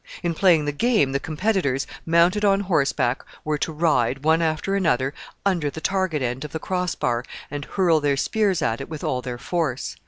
In playing the game, the competitors, mounted on horseback, were to ride, one after another, under the target end of the cross bar, and hurl their spears at it with all their force.